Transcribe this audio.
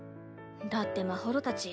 だってまほろたち